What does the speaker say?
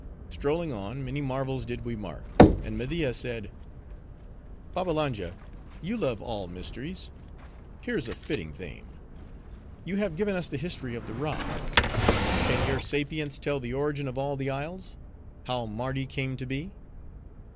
Strolling on, many marvels did we mark; and Media said:—"Babbalanja, you love all mysteries; here's a fitting theme. You have given us the history of the rock; can your sapience tell the origin of all the isles? how Mardi came to be?"